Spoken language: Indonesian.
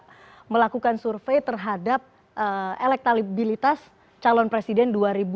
kita melakukan survei terhadap elektabilitas calon presiden dua ribu sembilan belas